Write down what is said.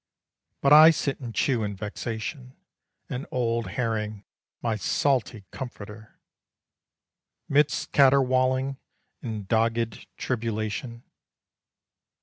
But I sit and chew in vexation An old herring, my salty comforter, Midst caterwauling and dogged tribulation.